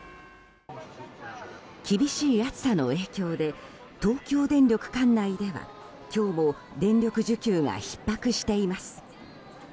厳しい暑さの影響で東京電力管内では今日も、電力需給がひっ迫しています。